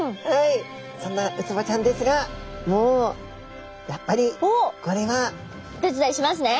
そんなウツボちゃんですがもうやっぱりこれはお手伝いしますね。